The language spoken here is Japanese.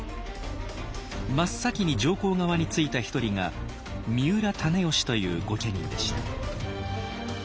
真っ先に上皇側についた一人が三浦胤義という御家人でした。